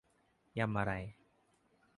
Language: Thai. ยำอะไร